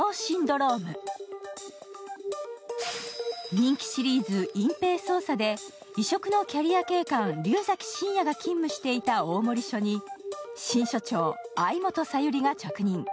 人気シリーズ「隠蔽捜査」で異色のキャリア警官・竜崎伸也が勤務していた大森署に新署長・藍本小百合が着任。